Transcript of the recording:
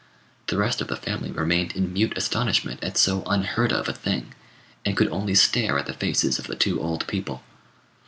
The rest of the family remained in mute astonishment at so unheard of a thing, and could only stare at the faces of the two old people.